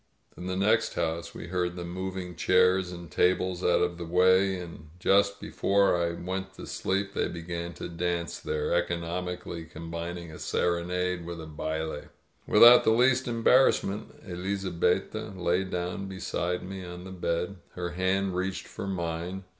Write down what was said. In the next house we heard them moving chairs and tables out of the way ; and just before I went to sleep they began to dance there, eco nomically combining a serenade with a baUe. Without the least embarrassment, Elizabetta lay down beside me on the bed. Her hand reached for mine.